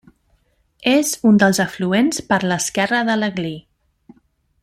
És un dels afluents per l'esquerra de l'Aglí.